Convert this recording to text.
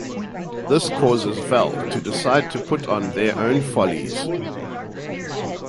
This causes Val to decide to put on their own follies.